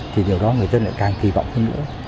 thì điều đó người dân lại càng kỳ vọng hơn nữa